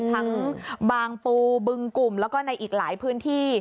ทั้งบางปูบึงกลุ่มแล้วก็ในอีกหลายพื้นที่